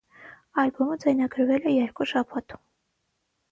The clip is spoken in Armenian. Ալբոմը ձայնագրվել է երկու շաբաթում։